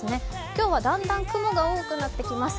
今日はだんだん雲が多くなってきます。